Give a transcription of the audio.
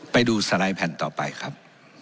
ไปดูสไลด์แผ่นต่อไปครับ